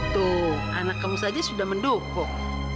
tuh anak kamu saja sudah mendukung